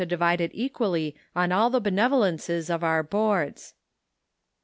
divide it equally on all the benevolences of our Boards."